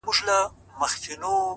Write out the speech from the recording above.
زه هم دا ستا له لاسه!